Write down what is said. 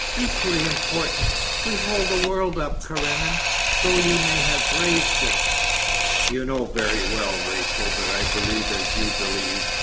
Equally important. We hold the world up, Karenin, though you may have raised it.' 'You know very well, Rachel, that I believe as you believe.